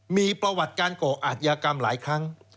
มีประวัติการก่ออาจยากรรมหลายครั้ง